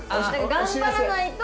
頑張らないと。